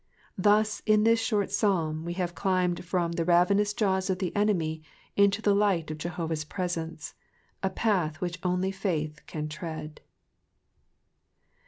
Thus in this short Psalm, we have climbed from the lavenous jaws of the enemy into the light of Jehovah's presence, a path which only faith can tread.